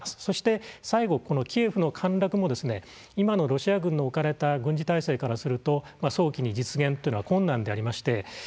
そして最後キエフの陥落も今のロシア軍の置かれた軍事体制からすると早期に実現というのは困難でありまして